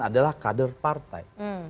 adalah kader partai